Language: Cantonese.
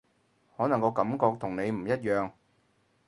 可能個感覺同你唔一樣